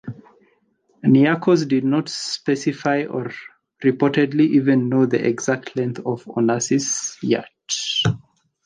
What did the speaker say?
Niarchos did not specify or reportedly even know the exact length of Onassis's yacht.